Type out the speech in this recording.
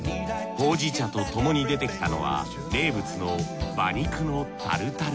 ほうじ茶とともに出てきたのは名物の馬肉のタルタル